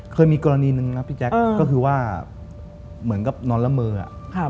เคยมีกรณีหนึ่งนะพี่แจ๊คก็คือว่าเหมือนกับนอนละเมอะ